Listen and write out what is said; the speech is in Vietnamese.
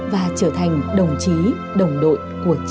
và trở thành đồng chí đồng đội của cha